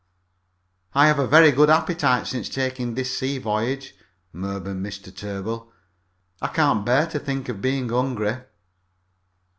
"I have a very good appetite since taking this sea voyage," murmured Mr. Tarbill. "I can't bear to think of being hungry."